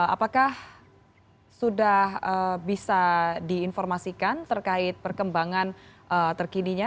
apakah sudah bisa diinformasikan terkait perkembangan terkininya